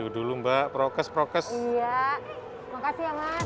dulu mbak prokes prokes ya makasih ya mas